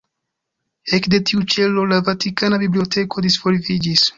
Ekde tiu ĉelo la Vatikana Biblioteko disvolviĝis.